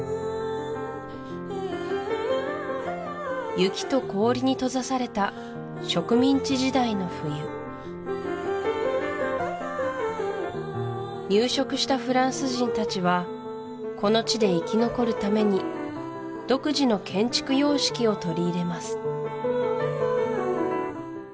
雪と氷に閉ざされた植民地時代の冬入植したフランス人たちはこの地で生き残るために独自の建築様式を取り入れます